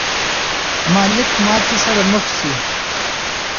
مالک ماتې سره مخ شي.